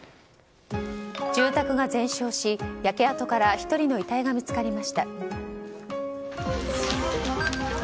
住宅が全焼し、焼け跡から１人の遺体が見つかりました。